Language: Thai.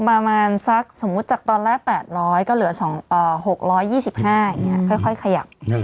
ประมาณสักสมมุติจากตอนแรก๘๐๐ก็เหลือ๖๒๕อย่างนี้ค่อยขยับ